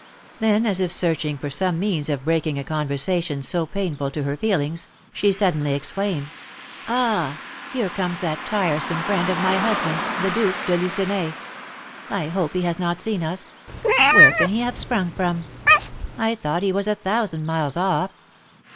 Then, as if searching for some means of breaking a conversation so painful to her feelings, she suddenly exclaimed, "Ah! here comes that tiresome friend of my husband's, the Duke de Lucenay. I hope he has not seen us. Where can he have sprung from? I thought he was a thousand miles off!"